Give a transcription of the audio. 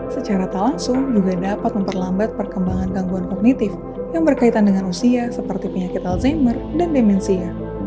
secara tak langsung juga dapat memperlambat perkembangan gangguan kognitif yang berkaitan dengan usia seperti penyakit alzheimer dan demensia